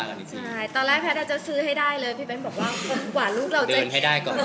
มีอะไรอยากจะพูดถึงเราเบนค่ะ